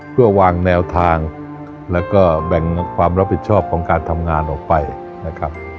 เพื่อวางแนวทางแล้วก็แบ่งความรับผิดชอบของการทำงานออกไปนะครับ